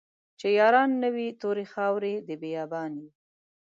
چې ياران نه وي توري خاوري د بيا بان يې